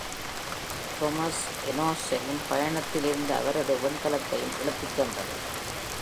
"Stormes", Enos ஐயும் பயணத்தில் இருந்த அவரது விண்கலத்தையும் இழுத்துச் சென்றது.